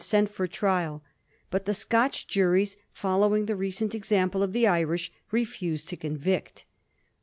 327 salt for trial, but the Scotch juries, following the recent example of the Irish, refused to convict.